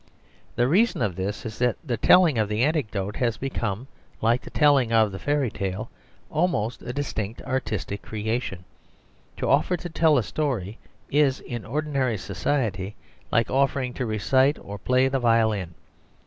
The reason of this is that the telling of the anecdote has become, like the telling of the fairy tale, almost a distinct artistic creation; to offer to tell a story is in ordinary society like offering to recite or play the violin.